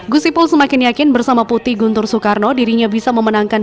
gus ipul semakin yakin bersama putih guntur soekarno dirinya bisa memenangkan